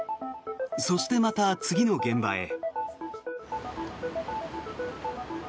そしてまた、次の現場へ。